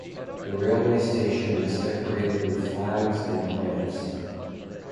The railway station was decorated with flags and plants.